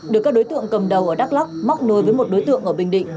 được các đối tượng cầm đầu ở đắk lóc móc nối với một đối tượng ở bình định